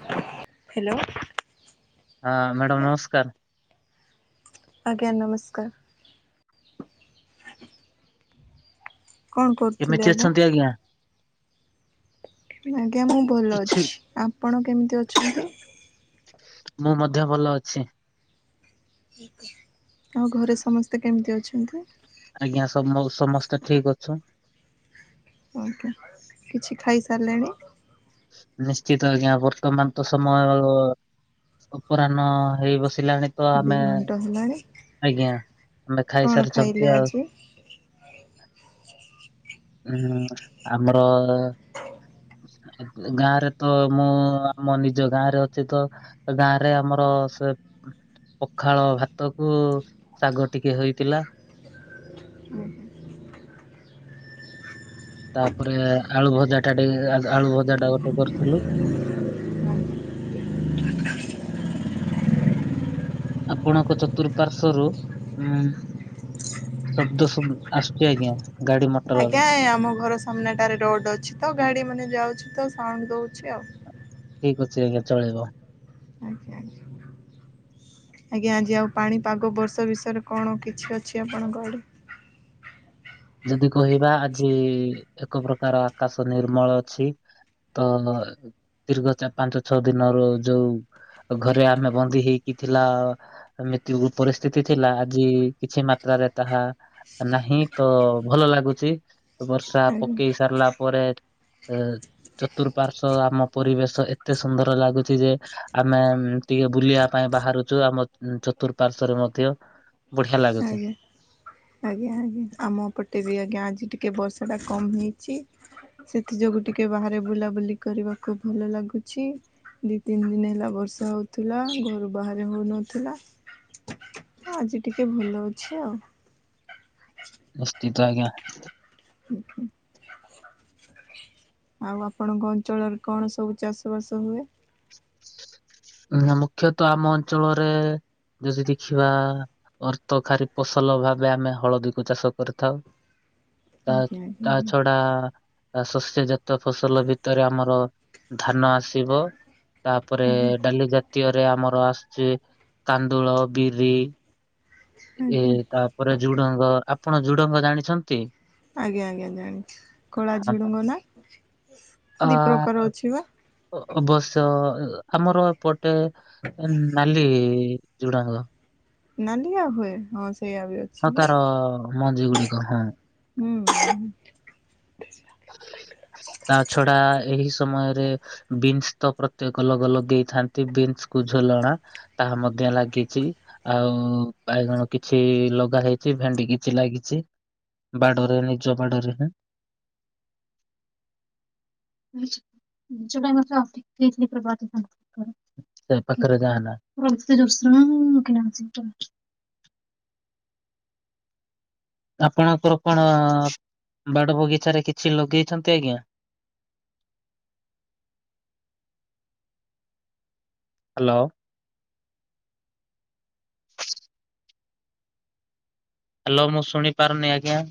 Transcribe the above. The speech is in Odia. [inaudible] ହ୍ୟାଲୋ। ହଁ ମ୍ୟାଡ଼ାମ ନମସ୍କାର। ଆଜ୍ଞା ନମସ୍କାର। କଣ କରୁଥିଲେ କେମିତି ଆଜ୍ଞା? ଅଛନ୍ତି ଆଜ୍ଞା ମୁଁ ଭଲ କିଛି ଅଛି, ଆପଣ କେମିତି ଅଛନ୍ତି? ମୁଁ ମଧ୍ୟ ଭଲ ଅଛି। ଆଉ ଘରେ ସମସ୍ତେ କେମିତି ଅଛନ୍ତି? ଆଜ୍ଞା ସମ ସମସ୍ତେ ଠିକ୍ ଅଛୁ। ଓକେ, କିଛି ଖାଇସାଇଲେଣି? ନିଶ୍ଚିତ ଆଜ୍ଞା ବର୍ତ୍ତମାନ ତ ସମୟ ଅ ଅପରାହ୍ନ ହେଇ ବସିଲାଣି। ତ ଦି ଆମେ ଘଣ୍ଟା ହେଲାଣି। ଆଜ୍ଞା ଆମେ କଣ ଖାଇଲେ ଖାଇସାରିଛନ୍ତି ଆଉ। ଆଜି? ହୁଁ ଆମର ଗାଁ ରେ ତ ମୁଁ ଆମ ନିଜ ଗାଁ ରେ ଅଛି ତ। ଗାଁ ରେ ଆମର ସେଉଁ ପଖାଳ ଭାତ କୁ ଶାଗ ଟିକେ ହେଇଥିଲା। ତାପରେ ଆଳୁ ଭଜା ଟା ଟିକେ ଆଳୁ ଭଜା ଟା ଗୋଟେ କରିଥିଲୁ। ଆପଣଙ୍କ ଚତୁଃପାର୍ଶରୁ ଉଁ ଶବ୍ଦ ଶୁବ ଆସୁଛି ଆଜ୍ଞା ଗାଡି ମଟ ଆଜ୍ଞା ଆମ ଘର ସାମ୍ନାଟାରେ ରୋଡ ଅଛି ତ ଗାଡି ମାନେ ଯାଉଛି ତ ସାଉଣ୍ଡ ଦଉଛି ଆଉ। ଠିକ ଅଛି ଆଜ୍ଞା ଚଳିବ। ଆଜ୍ଞା ଆଜ୍ଞା। ଆଜ୍ଞା ଆଜି ଆଉ ପାଣି ପାଗ ବର୍ଷ ବିଷୟରେ କଣ କିଛି ଅଛି ଆପଣଙ୍କ ଆଡ଼େ? ଯଦି କହିବା ଆଜି ଏକ ପ୍ରକାର ଆକାଶ ନିର୍ମଳ ଅଛି। ତ ଦୀର୍ଘ ଚାର ପାଞ୍ଚ ଛଅ ଦିନରୁ ଯୋଉ ତ ଘରେ ଆମେ ବନ୍ଦୀ ହେଇକି ଥିଲ ଏମିତି ପରିସ୍ଥିତି ଥିଲା ଆଜି କିଛି ମାତ୍ରାରେ ତାହା ନାହିଁ ତ ଭଲ ଲାଗୁଛି ବର୍ଷା ଆଜ୍ଞା ପକେଇ ସାରିଲା ପରେ ଅ ଚତୁଃପାର୍ଶ୍ଵ ଆମ ପରିବେଶ ଏତେ ସୁନ୍ଦର ଲାଗୁଛି ଯେ ଆମେ ଟିକିଏ ବୁଲିବା ପାଇଁ ବାହାରୁଚୁ ଆମ ଚତୁଃପାର୍ଶ୍ଵରେ ମଧ୍ୟ ବଢିଆ ଲାଗୁଚେ। ଆଜ୍ଞା। ଆଜ୍ଞା ଆଜ୍ଞା ଆମ ପଟେ ବି ଆଜ୍ଞା ଆଜି ଟିକେ ବର୍ଷାଟା କମ୍ ହେଇଛି ସେଥି ଯୋଗୁ ଟିକେ ବାହାରେ ବୁଲାବୁଲି କରିବାକୁ ଭଲ ଲାଗୁଛି। ଦି ତିନି ଦିନ ହେଲା ବର୍ଷା ହଉଥିଲା ଘରୁ ବାହାରେ ହଉନଥିଲା। ଆଜି ଟିକେ ଭଲ ଅଛି ଆଉ। ନିଶ୍ଚିତ ଆଜ୍ଞା। ଆଉ ଆପଣଙ୍କ ଅଞ୍ଚଳରେ କଣ ସବୁ ଚାଷ ବାସ ହୁଏ? ମୁଖ୍ୟତଃ ଆମ ଅଞ୍ଚଳରେ ଯଦି ଦେଖିବା ଅର୍ଥ ଖାରି ଫସଲ ଭାବେ ଆମେ ହଳଦୀକୁ ଚାଷ କରୁଥାଉ। ତା ଆଜ୍ଞା ଆଜ୍ଞା। ତା ଛଡା ଆ ଶସ୍ୟଜାତ ଫସଲ ଭିତରେ ଆମର ଧାନ ଆସିବ। ତାପରେ ଆଜ୍ଞା ଡାଲି ଜାତୀୟରେ ଆମର ଆସୁଚି କାନ୍ଦୁଳ ବିରି। ଏ ଆଜ୍ଞା ତାପରେ ଝୁଡଙ୍ଗ ଆପଣ ଝୁଡଙ୍ଗ ଜାଣିଛନ୍ତି? ଆଜ୍ଞା ଆଜ୍ଞା ଜାଣିଛି କଳା ହଁ। ଝୁଡ଼ୁଙ୍ଗ ଆ ନାହିଁ ଦି ପ୍ରକାର ଅଛି ବା। ଅବଶ୍ୟ ଆମର ଏପଟେ। ନଲି ଯୋଡ଼ାଙ୍ଗ। ନଲିିଆ ହୁଏ ହଁ ସେଇଆ ହୁଏ। ଆଉ ତାର ମଞ୍ଜି ଗୁଡିକ ହଁ। ହୁଁ। ତା ଛଡା ଏହି ସମୟରେ ବିନ୍ସ ତ ପ୍ରତ୍ୟେକ ଲୋଗ ଲଗେଇଥାନ୍ତି ବିନ୍ସ କୁ ଝୁଲଣା। ତାହା ମଧ୍ୟ ଲାଗିଛି। ଆଉ ବାଇଗଣ କିଛି ଲଗା ହେଇଛି ଭେଣ୍ଡି କିଛି ଲାଗିଛି। ବାଡରେ ନିଜ ବାଡରେ ହିଁ। ଯୋଡାଇ ମସ [unintelligible] ସେ ପାଖରେ ଯାହା ନା [unintelligible] ଆପଣଙ୍କର କଣ ବାଡ ବଗିଚାରେ କିଛି ଲଗେଇଛନ୍ତି ଆଜ୍ଞା? ହ୍ୟାଲୋ। ହ୍ୟାଲୋ ମୁଁ ଶୁଣି ପାରୁନି ଆଜ୍ଞା।